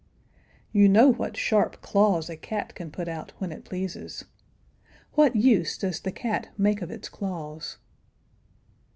You know what sharp claws a cat can put out when it pleases. What use does the cat make of its claws?